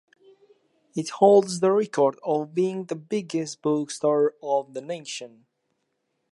It holds the record of being the biggest book store of the nation.